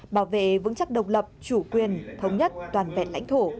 bảo vệ vững chắc độc lập chủ quyền thống nhất toàn vẹn lãnh thổ